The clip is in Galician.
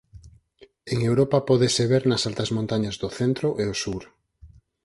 En Europa pódese ver nas altas montañas do centro e o sur.